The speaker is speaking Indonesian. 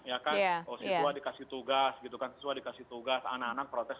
ya kan oh siswa dikasih tugas gitu kan siswa dikasih tugas anak anak protes